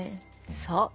そう。